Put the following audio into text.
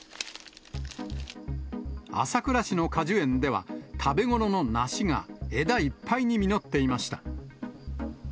朝倉市の果樹園では、食べ頃の梨が枝いっぱいに実っていました。